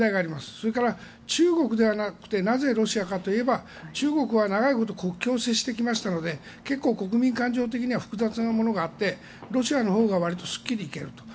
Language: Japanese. それから中国ではなくてなぜロシアかといえば中国は長いこと国境を接してきましたので結構、国民感情的には複雑なものがあってロシアのほうがわりとすっきり行けると。